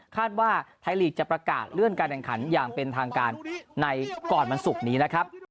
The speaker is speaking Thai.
ว่าไทยลีกจะประกาศเลื่อนการแข่งขันอย่างเป็นทางการในก่อนวันศุกร์นี้นะครับ